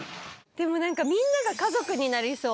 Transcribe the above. でもなんかみんなが家族になりそう。